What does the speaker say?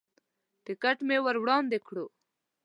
ټکټ مې ور وړاندې کړو.